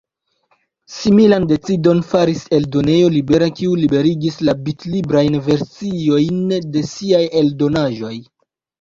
Similan decidon faris Eldonejo Libera, kiu liberigis la bitlibrajn versiojn de siaj eldonaĵoj.